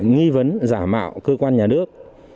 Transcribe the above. nghi vấn giả mạo cơ quan nhà nước